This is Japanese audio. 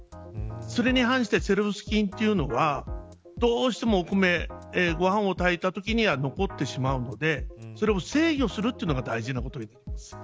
それに反してセレウス菌というのはどうしてもお米ご飯を炊いたときには残ってしまうのでそれを制御するのが大事なことになります。